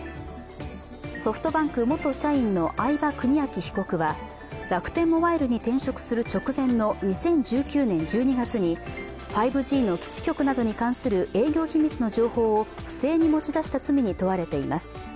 ソフトバンク元社員の合場邦章被告は楽天モバイルに転職する直前の２０１９年１２月に５Ｇの基地局などに関する営業秘密の情報を不正に持ち出した罪に問われています。